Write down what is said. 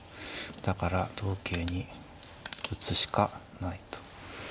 だから同桂に打つしかないと。